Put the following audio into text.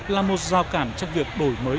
là một giao cản trong việc đổi mới